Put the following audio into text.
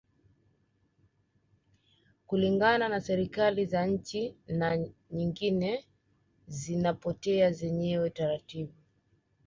Kulingana na serikali za nchi na nyingine zinapotea zenyewe taratibu